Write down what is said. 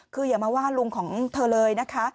คืออย่ามาว่าลุงของเธอเลยนะคะ